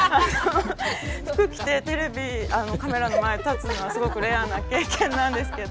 服着てテレビカメラの前立つのはすごくレアな経験なんですけど。